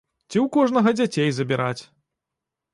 Ці ў кожнага дзяцей забіраць!